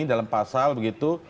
dalam pasal begitu